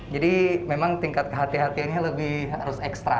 jadi memang tingkat hati hatiannya lebih harus ekstra